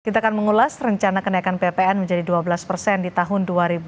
kita akan mengulas rencana kenaikan ppn menjadi dua belas persen di tahun dua ribu dua puluh